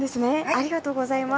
ありがとうございます。